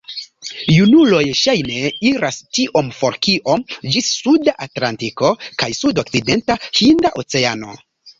Junuloj ŝajne iras tiom for kiom ĝis suda Atlantiko kaj sudokcidenta Hinda Oceano.